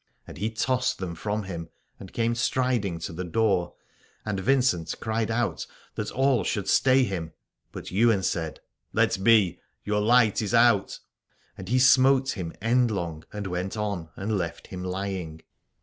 And he tossed them from him and came striding to the door: and Vincent cried out that all should stay him. But Ywain said : Let be, your light is out : and he smote him endlong and went on and left him lying.